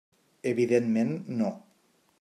Evidentment, no.